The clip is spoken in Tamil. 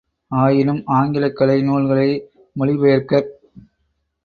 ஆயினும், ஆங்கிலக் கலை நூல்களை மொழி பெயர்க்கப்